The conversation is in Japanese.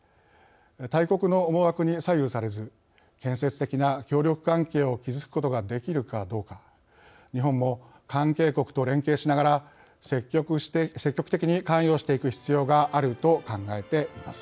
大国の思惑に左右されず建設的な協力関係を築くことができるかどうか日本も関係国と連携しながら積極的に関与していく必要があると考えています。